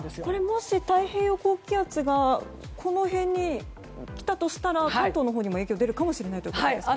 もし太平洋高気圧がこの辺に来たとしたら関東のほうにも影響出るってことですか。